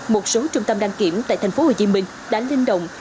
một số trung tâm đăng kiểm tại tp hcm đã linh động